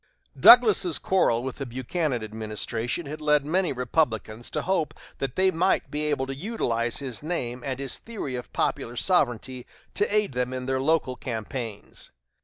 Douglas's quarrel with the Buchanan administration had led many Republicans to hope that they might be able to utilize his name and his theory of popular sovereignty to aid them in their local campaigns.